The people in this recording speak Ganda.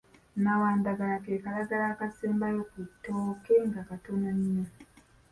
Nawandagala ke kalagala akasembayo ku ttooke nga katono nnyo.